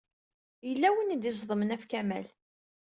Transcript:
Yella win i d-iẓeḍmen ɣef Kamal.